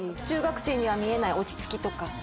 中学生には見えない落ち着きとか。